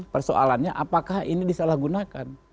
persoalannya apakah ini disalahgunakan